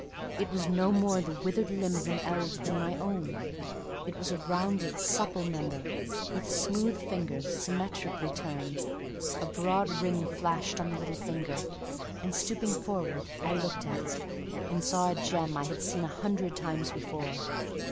It was no more the withered limb of eld than my own; it was a rounded supple member, with smooth fingers, symmetrically turned; a broad ring flashed on the little finger, and stooping forward, I looked at it, and saw a gem I had seen a hundred times before.